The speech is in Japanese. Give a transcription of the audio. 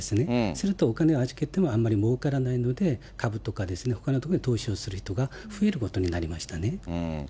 するとお金を預けてももうからないので、株とかほかのところに投資をする人が増えることになりましたね。